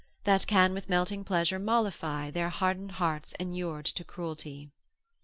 That can with melting pleasure mollify Their harden'd hearts inur'd to cruelty.